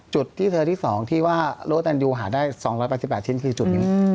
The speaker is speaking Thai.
จุดที่เจอที่๒ที่ว่าโลแตนยูหาได้๒๘๘ชิ้นคือจุดนี้